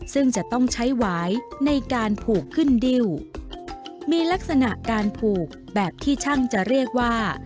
ซึ่งจะต้องใช้หวายในการผูกขึ้นดิ้วมีลักษณะการผูกแบบที่ช่างจะเรียกว่า